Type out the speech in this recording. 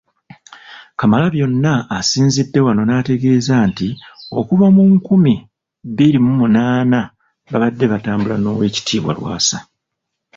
Kamalabyonna asinzidde wano n’ategeeza nti okuva mu nkumi bbiri munaana babadde batambula n’Oweekitiibwa Lwasa.